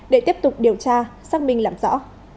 để tiếp tục điều tra xác minh làm rõ